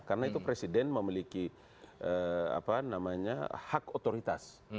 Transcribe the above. karena itu presiden memiliki hak otoritas